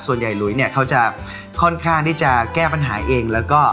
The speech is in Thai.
ส่วนใหญ่หลุยเนี่ยเขาจะค่อนข้างที่จะแก้ปัญหาเอง